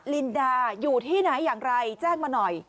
ลินดาอยู่ที่ไหนอย่างไรแจ้งมาหน่อย